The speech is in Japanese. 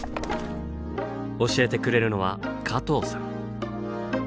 教えてくれるのは加藤さん。